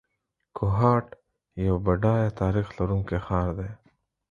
کوهاټ یو بډایه تاریخ لرونکی ښار دی.